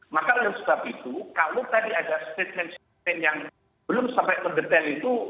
maka untuk sebab itu kalau tadi ada statement statement yang belum sampai terdetail itu